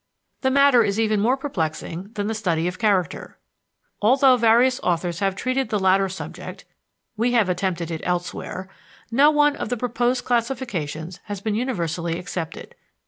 The matter is even more perplexing than the study of character. Although various authors have treated the latter subject (we have attempted it elsewhere), no one of the proposed classifications has been universally accepted.